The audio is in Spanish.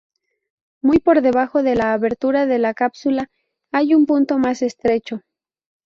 Muy por debajo de la abertura de la cápsula hay un punto más estrecho.